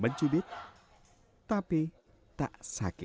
mencubit tapi tak sakit